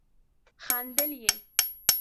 خندل يې.